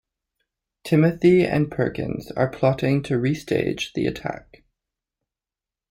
Timothy and Perkins are plotting to restage the attack.